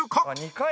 「２回？」